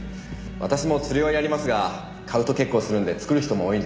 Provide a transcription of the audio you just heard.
私も釣りをやりますが買うと結構するんで作る人も多いんですよ。